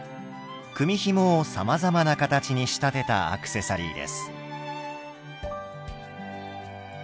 組みひもをさまざまな形に仕立てたアクセサリーです。